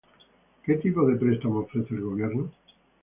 ¿Qué tipos de préstamo ofrece el Gobierno?